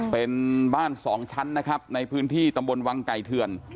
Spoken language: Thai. เป็นบ้านสองชั้นนะครับในพื้นที่ตำบลวังไก่เถื่อน